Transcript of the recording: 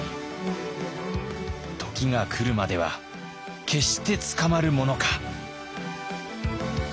時が来るまでは決して捕まるものか。